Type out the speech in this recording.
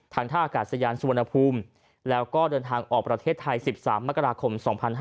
ท่าอากาศยานสุวรรณภูมิแล้วก็เดินทางออกประเทศไทย๑๓มกราคม๒๕๕๙